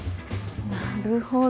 なるほど。